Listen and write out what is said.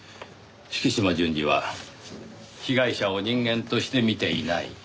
敷島純次は被害者を人間として見ていない。